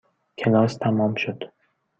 کلاس تمام شد.